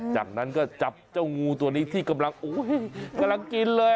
จากนั้นก็จับเจ้างูตัวนี้ที่กำลังกำลังกินเลย